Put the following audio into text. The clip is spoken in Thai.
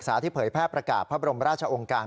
ที่เผยแพร่ประกาศพระบรมราชองค์การ